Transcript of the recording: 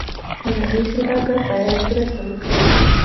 کورني سوداګر باید مرسته وکړي.